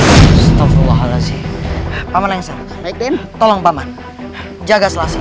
astaghfirullahaladzim paman yang selalu bikin tolong paman jaga selangsung